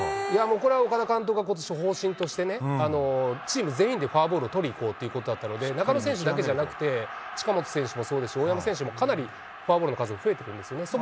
これは岡田監督がことし方針としてね、チーム全員でフォアボールを取りにいこうということだったので、中野選手だけじゃなく、近本選手も大山選手もかなりフォアボールの数が増えてるんですよね。